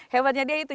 hebatnya dia itu